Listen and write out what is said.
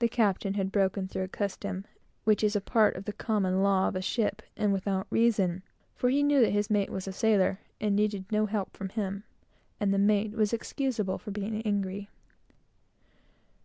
The captain had broken through a custom, which is a part of the common law of a ship, and without reason; for he knew that his mate was a sailor, and needed no help from him; and the mate was excusable for being angry.